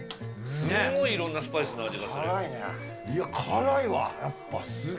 すんごいいろんなスパイスの味が辛いね。